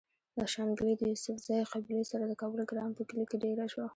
د شانګلې د يوسفزۍقبيلې سره د کابل ګرام پۀ کلي کې ديره شو